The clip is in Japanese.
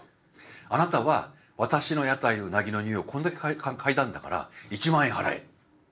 「あなたは私の屋台のうなぎの匂いをこれだけ嗅いだんだから１万円払え」。